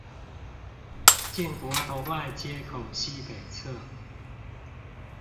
建國同愛街口西北側